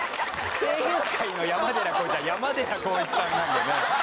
声優界の山寺宏一は、山寺宏一さんなんでね。